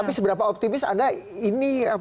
tapi seberapa optimis anda ini